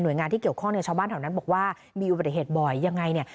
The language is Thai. โดยงานที่เกี่ยวข้องเนี่ยชาวบ้านแถวนั้นบอกว่ามีอุบัติเหตุบ่อยยังไงเนี่ย